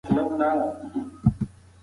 ماشوم په خپلو وړوکو لاسو د مور لاس ونیو.